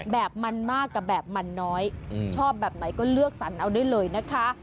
แบบมันมากกับแบบมันน้อยชอบแบบไหนก็เลือกสรรเอาได้เลยนะคะ